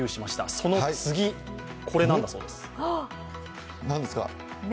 その次、これなんだそうです。